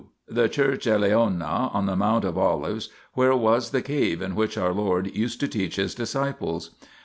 The Church Eleona (Acuo>v) on the Mount of Olives, where was the cave in which our Lord used to teach His disciples.